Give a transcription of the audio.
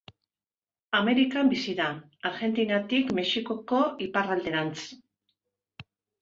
Amerikan bizi da, Argentinatik Mexikoko iparralderantz.